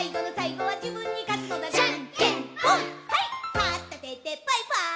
「かったてでバイバーイ！！」